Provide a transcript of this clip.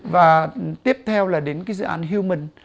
và tiếp theo là đến cái dự án human